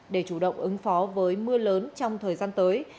để chủ động ứng phó với mưa lớn trong thời gian tới